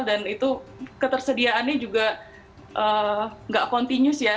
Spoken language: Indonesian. dan itu ketersediaannya juga enggak kontinus ya